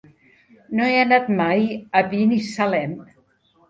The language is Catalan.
No he anat mai a Binissalem.